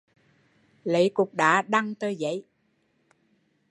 Lấy cục đá đằng tờ giấy